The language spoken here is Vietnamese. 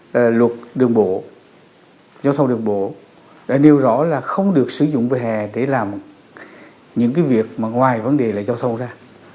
là luật đường bộ giao thông đường bộ đã nêu rõ là không được sử dụng vỉa hè để làm những cái việc mà ngoài vấn đề là giao thông ra